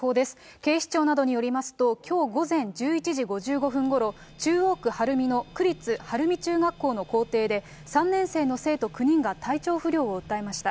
警視庁などによりますと、きょう午前１１時５５分ごろ、中央区晴海の区立晴海中学校の校庭で、３年生の生徒９人が体調不良を訴えました。